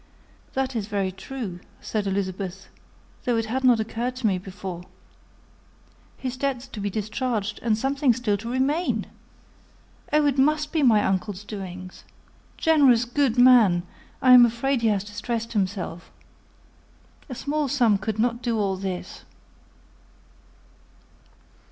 "That is very true," said Elizabeth; "though it had not occurred to me before. His debts to be discharged, and something still to remain! Oh, it must be my uncle's doings! Generous, good man, I am afraid he has distressed himself. A small sum could not do all this."